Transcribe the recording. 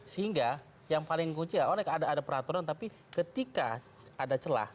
sehingga yang paling kunci adalah ada peraturan tapi ketika ada celah